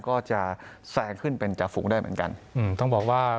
ก็จะแซงขึ้นเป็นจ่าฝูงได้เหมือนกันอืมต้องบอกว่า